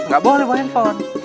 gak boleh pahenpon